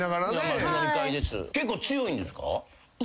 結構強いんですか？